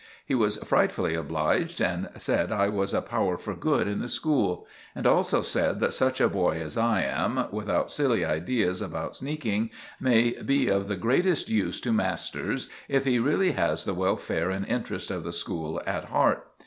He was frightfully obliged and said I was a power for good in the school; and also said that such a boy as I am, without silly ideas about sneaking, may be of the greatest use to masters if he really has the welfare and interest of the school at heart.